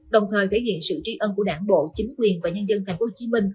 đồng thời thể hiện sự tri ân của đảng bộ chính quyền và nhân dân tp hcm